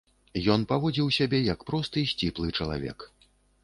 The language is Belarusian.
Ён паводзіў сябе як просты, сціплы чалавек.